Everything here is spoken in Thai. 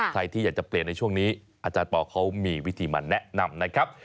ใครที่อยากจะเปลี่ยนในช่วงนี้อาจารย์ปอลเขามีวิธีมาแนะนำนะครับ